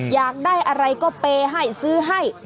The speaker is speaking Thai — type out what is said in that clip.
อยากได้อะไรก็เปย์ให้ซื้อให้